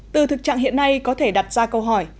từ thực trạng hiện nay có thể đặt ra câu hỏi